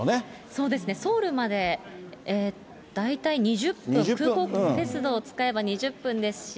そうですね、ソウルまで大体２０分、空港鉄道を使えば２０分ですし。